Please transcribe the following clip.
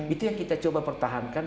itu yang kita coba pertahankan